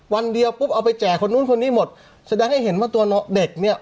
วันเดียวปุ๊บเอาไปแจกคนนู้นคนนี้หมดแสดงให้เห็นว่าตัวเด็กเนี่ย